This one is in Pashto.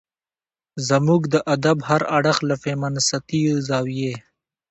زموږ د ادب هر اړخ له فيمنستي زاويې